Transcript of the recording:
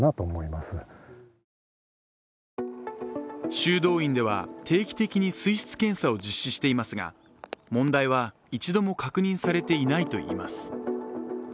修道院では定期的に水質検査を実施していますが、問題は一度も確認されていないといいます。